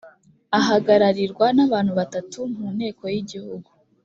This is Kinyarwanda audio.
ahagararirwa n ‘abantu batatu mu nteko yigihugu.